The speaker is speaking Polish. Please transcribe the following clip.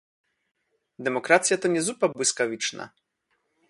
"demokracja to nie zupa błyskawiczna!"